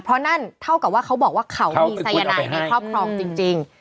เพราะนั่นเท่ากับว่าเขาบอกว่าเขามีสายนายในครอบครองจริง